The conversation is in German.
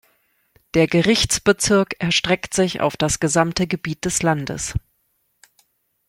Der Gerichtsbezirk erstreckt sich auf das gesamte Gebiet des Landes.